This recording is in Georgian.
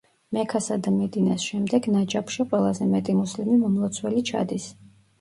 მექასა და მედინას შემდეგ ნაჯაფში ყველაზე მეტი მუსლიმი მომლოცველი ჩადის.